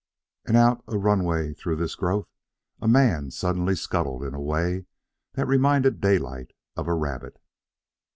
And out a runway through this growth a man suddenly scuttled in a way that reminded Daylight of a rabbit.